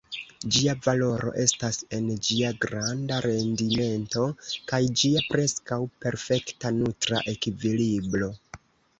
Ĝia valoro estas en ĝia granda rendimento kaj ĝia preskaŭ perfekta nutra ekvilibro.